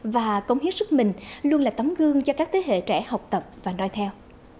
và cống hiến sức mình luôn là tấm gương cho các thế hệ trẻ học tập và nói theo